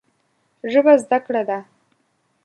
ژبه زده کړه ده